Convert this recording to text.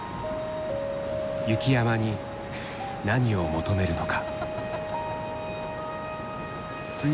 雪山に何を求めるのか？